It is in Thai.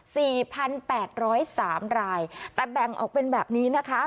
สี่พันแปดร้อยสามรายแต่แบ่งออกเป็นแบบนี้นะคะ